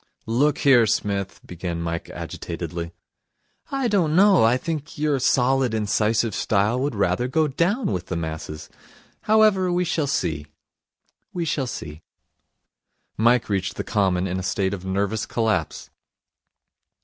'Look here, Psmith ' began Mike agitatedly. 'I don't know. I think your solid, incisive style would rather go down with the masses. However, we shall see, we shall see.' Mike reached the Common in a state of nervous collapse.